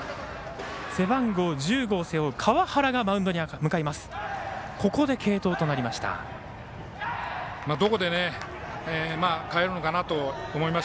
背番号１５を背負う川原がマウンドに向かいます。